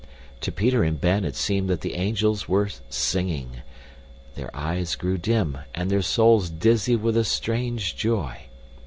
To Peter and Ben it seemed that the angels were singing. Their eyes grew dim, and their souls dizzy with a strange joy.